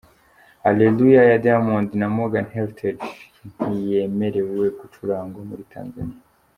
Hallelujah ya Diamond na Morgan Heritage ntiyemerewe gucurangwa muri Tanzania .